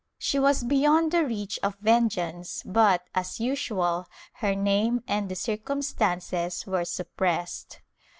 She was beyond the reach of vengeance but, as usual, her name and the circumstances were suppressed.